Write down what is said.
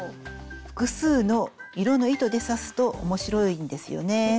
複数の色の糸で刺すと面白いんですよね。